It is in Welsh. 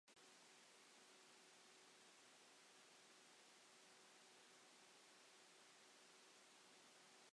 Mae pwls yn cyfeirio at unrhyw guriad neu ddirgryniad rhythmig.